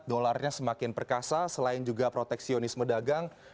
dolarnya semakin perkasa selain juga proteksionisme dagang